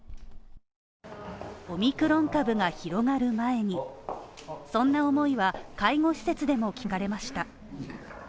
オミクロン株が広がる前に、そんな思いは、介護施設でも聞かれました。